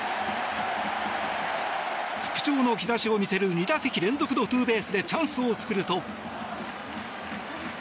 復調の兆しを見せる２打席連続ツーベースでチャンスを作ると。